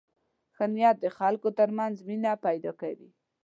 ښه نیت د خلکو تر منځ مینه پیدا کوي.